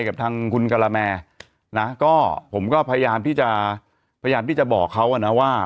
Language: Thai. กับทางคุณกะละแมนะก็ผมก็พยายามที่จะพยายามที่จะบอกเขาอ่ะนะว่า